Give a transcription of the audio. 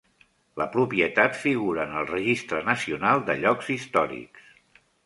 La propietat figura en el Registre Nacional de Llocs Històrics.